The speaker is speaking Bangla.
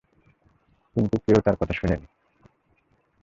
কিন্তু কেউ তাঁর কথা শোনেনি।